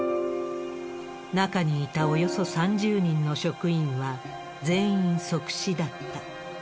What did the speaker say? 中にいたおよそ３０人の職員は全員即死だった。